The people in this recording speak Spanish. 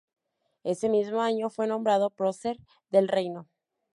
Ese mismo año fue nombrado Prócer del Reino.